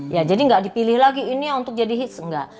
ya jadi nggak dipilih lagi ini untuk jadi hits nggak